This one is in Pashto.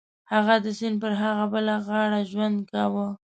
هغه د سیند پر هغه بله غاړه ژوند کاوه.